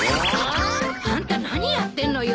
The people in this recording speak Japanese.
あんた何やってんのよ？